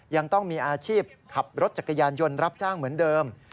ยังต้องมีอาชีพขับรถจักรยานยนต์รับจ้างเหมือนเดิม